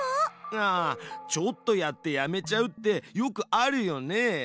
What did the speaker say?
ああちょっとやってやめちゃうってよくあるよね。